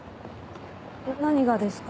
何がですか？